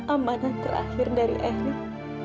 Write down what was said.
amanah terakhir dari erik